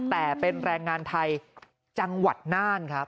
แต่เป็นแรงงานไทยจังหวัดน่านครับ